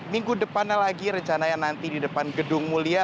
minggu depannya lagi rencananya nanti di depan gedung mulia